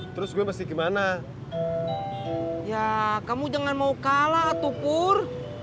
terus gue masih gimana ya kamu jangan mau kalah tuh pur